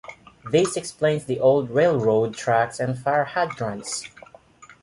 This explains the old railroad tracks and fire hydrants.